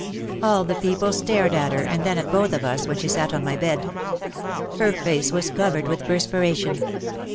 All the people stared at her and then at both of us when she sat on my bed. Her face was cov ered with perspiration.